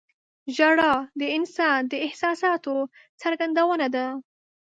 • ژړا د انسان د احساساتو څرګندونه ده.